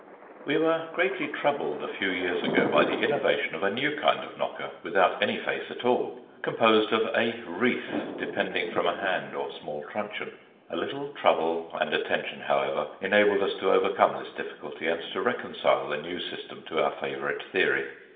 We were greatly troubled a few years ago, by the innovation of a new kind of knocker, without any face at all, composed of a wreath, depending from a hand or small truncheon. A little trouble and attention, however, enabled us to overcome this difficulty, and to recon cile the new system to our favourite theory.